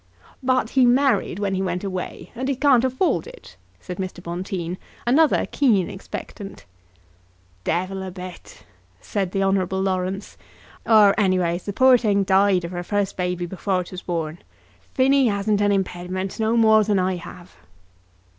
"But he married when he went away, and he can't afford it," said Mr. Bonteen, another keen expectant. "Devil a bit," said the Honourable Laurence; "or, anyways, the poor thing died of her first baby before it was born. Phinny hasn't an impidiment, no more than I have."